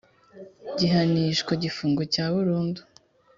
gihanishwa igifungo cya burundu